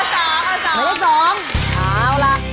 กระทืบ๒หารัก